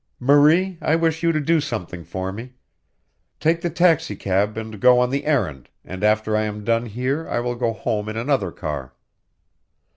"Marie, I wish you to do something for me. Take the taxicab and go on the errand, and after I am done here I will go home in another car."